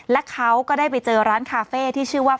และเขาก็ได้ไปเจอร้านคาเฟ่ที่ชื่อว่า